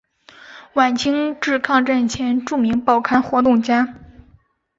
晚清至抗战前著名报刊活动家。